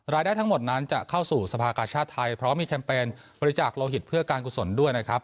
ทั้งหมดนั้นจะเข้าสู่สภากาชาติไทยพร้อมมีแคมเปญบริจาคโลหิตเพื่อการกุศลด้วยนะครับ